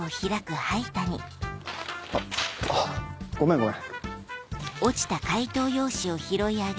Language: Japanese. あっごめんごめん。